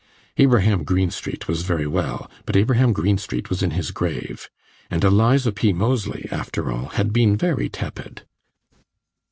Abraham Greenstreet was very well, but Abraham Greenstreet was in his grave; and Eliza P. Moseley, after all, had been very tepid.